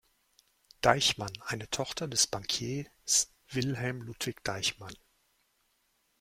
Deichmann, einer Tochter des Bankiers Wilhelm Ludwig Deichmann.